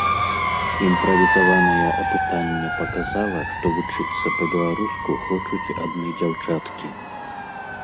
Імправізаванае апытанне паказала, што вучыцца па-беларуску хочуць адны дзяўчаткі.